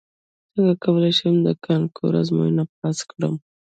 څنګه کولی شم د کانکور ازموینه پاس کړم